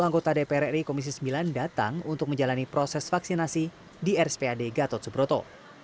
anggota dpr ri komisi sembilan datang untuk menjalani proses vaksinasi di rspad gatot subroto